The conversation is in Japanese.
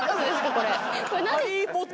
これ。